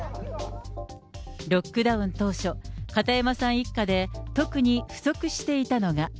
ロックダウン当初、片山さん一家で、特に不足していたのが。